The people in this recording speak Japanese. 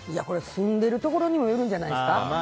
住んでるところにもよるんじゃないですか。